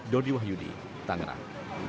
dodi wahyudi tangerang